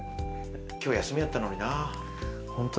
今日、休みだったのにな。